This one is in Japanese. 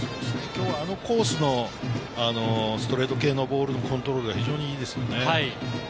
あのコースのストレート系のボールのコントロールが非常にいいですよね。